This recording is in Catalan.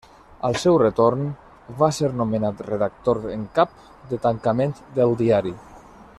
Al seu retorn va ser nomenat redactor en cap de tancament del diari.